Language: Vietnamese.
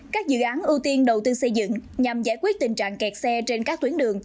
các dự án ưu tiên đầu tư xây dựng nhằm giải quyết tình trạng kẹt xe trên các tuyến đường